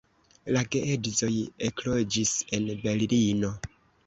La geedzoj ekloĝis en Berlino.